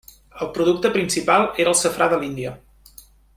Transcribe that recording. El producte principal era el safrà de l'Índia.